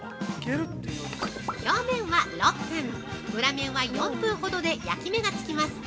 ◆表面は６分、裏面は４分ほどで焼き目がつきます。